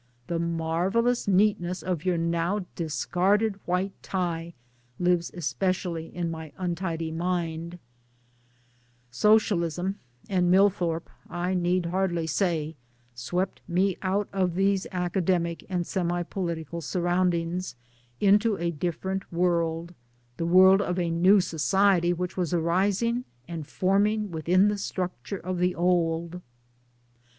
The marvellous neatness of your now discarded white tie lives especially, in my untidy mind I " Socialism and Millthorpe, I need hardly say, swept me out of these academic and semi political sur roundings into a different world the world of a new society which was arising and forming within tfre structure of the old.